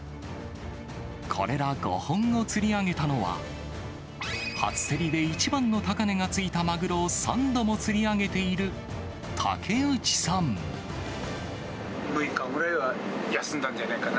これら５本を釣り上げたのは、初競りで一番の高値がついたマグロを３度も釣り上げている、６日ぐらいは休んだんじゃないかな。